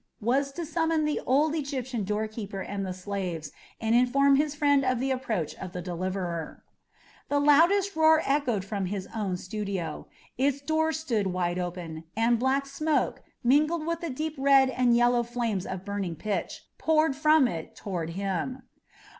was to summon the old Egyptian doorkeeper and the slaves, and inform his friend of the approach of a deliverer. The loudest uproar echoed from his own studio. Its door stood wide open, and black smoke, mingled with the deep red and yellow flames of burning pitch, poured from it toward him.